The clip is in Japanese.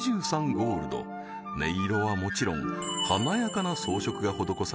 Ｇｏｌｄ音色はもちろん華やかな装飾が施された